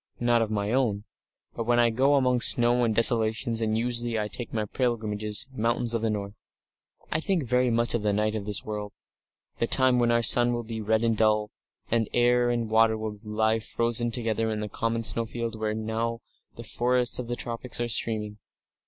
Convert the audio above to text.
"Not of my own. But when I go among snows and desolations and usually I take my pilgrimage in mountains or the north I think very much of the Night of this World the time when our sun will be red and dull, and air and water will lie frozen together in a common snowfield where now the forests of the tropics are steaming....